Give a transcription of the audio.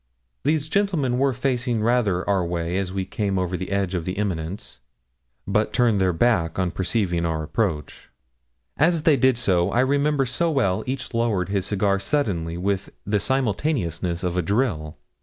These gentlemen were facing rather our way as we came over the edge of the eminence, but turned their backs on perceiving our approach. As they did so, I remember so well each lowered his cigar suddenly with the simultaneousness of a drill.